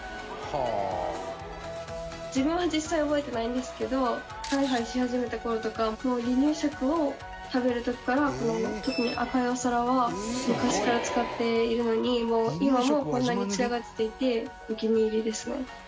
自分は実際覚えてないんですけどハイハイし始めた頃とかもう離乳食を食べる時から特に赤いお皿は昔から使っているのに今もこんなにツヤが出ていてお気に入りですね。